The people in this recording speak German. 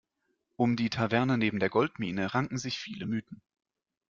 Um die Taverne neben der Goldmine ranken sich viele Mythen.